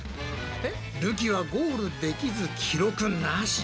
るきはゴールできず記録なし。